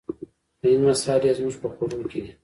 د هند مسالې زموږ په خوړو کې دي.